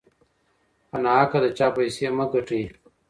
په ناحقه د چا پیسې مه ګټئ.